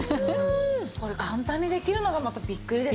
これ簡単にできるのがまたビックリですよね。